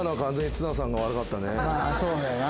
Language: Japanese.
そうだよな。